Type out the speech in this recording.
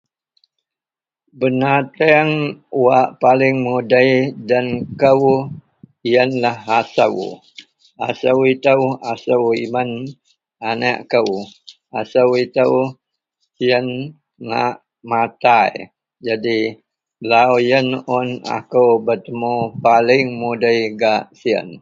benateng wak paling mudei den kou ienlah asou, asou itou asou imen aneak kou, asou itou sien ngak matai, jadi lau ien un akou betemu paling mudei gak sien